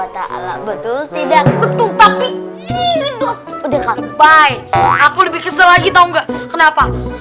wa ta'ala betul tidak betul tapi hidup dekat by aku lebih kesel lagi tahu enggak kenapa